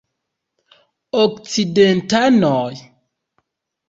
Okcidentanoj.